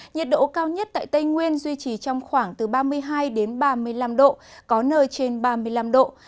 nhiệt độ cao nhất tại tây nguyên duy trì trong khoảng từ ba mươi hai đến ba mươi năm độ có nơi trên ba mươi năm độ